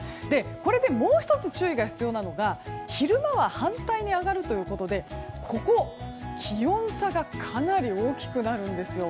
これでもう１つ注意が必要なのが昼間は反対に上がるということで気温差がかなり大きくなるんです。